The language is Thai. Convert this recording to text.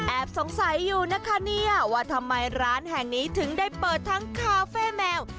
สงสัยอยู่นะคะเนี่ยว่าทำไมร้านแห่งนี้ถึงได้เปิดทั้งคาเฟ่แมว